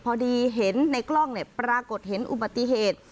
พอดีเห็นในกล้องปรากฏเห็นอุบัติเหตุ